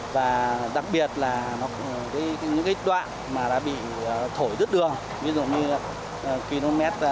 và đặc biệt là những đoạn bị thổi đứt đường ví dụ như km sáu mươi chín hai trăm linh